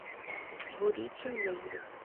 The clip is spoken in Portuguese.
Buritizeiro